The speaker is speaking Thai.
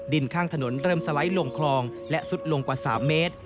ข้างถนนเริ่มสไลด์ลงคลองและซุดลงกว่า๓เมตร